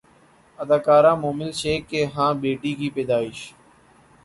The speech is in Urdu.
اداکارہ مومل شیخ کے ہاں بیٹی کی پیدائش